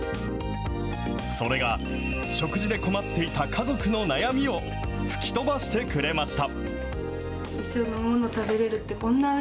それが、食事で困っていた家族の悩みを吹き飛ばしてくれました。